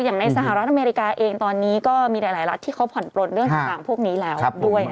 อย่างในสหรัฐอเมริกาเองตอนนี้ก็มีหลายรัฐที่เขาผ่อนปลนเรื่องต่างพวกนี้แล้วด้วย